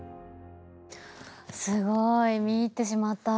すごい。見入ってしまった。